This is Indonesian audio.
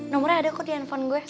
nomernya ada kok di handphone gue